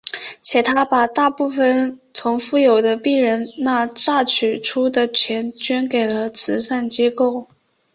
且他把大部分从富有的病人那榨取出的钱捐给了慈善机构。